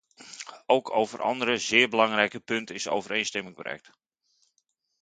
Ook over andere zeer belangrijke punten is overeenstemming bereikt.